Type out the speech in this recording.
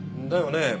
だよね